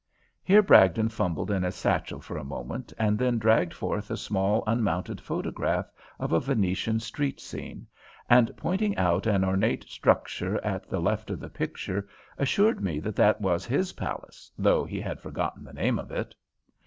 Here Bragdon fumbled in his satchel for a moment, and then dragged forth a small unmounted photograph of a Venetian street scene, and, pointing out an ornate structure at the left of the picture, assured me that that was his palace, though he had forgotten the name of it.